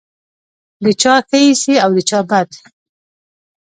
د چا ښه ایسې او د چا بد.